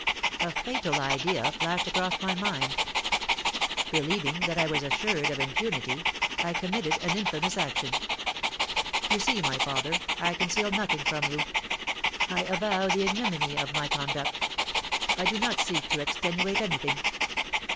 A fatal idea flashed across my mind. Believing that I was assured of impunity, I committed an infamous action. You see, my father, I conceal nothing from you. I avow the ignominy of my conduct, I do not seek to extenuate anything.